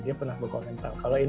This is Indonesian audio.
dia pernah berkomentar kalau ini